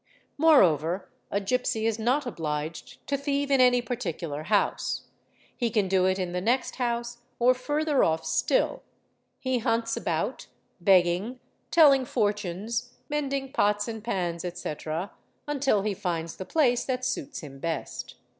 Moreover a gipsy is not obliged to thieve in any particular house: he can do it in the next house or further off still, he hunts about, begging, telling fortunes, mending pots and pans, etc., until he finds the place that suits him best.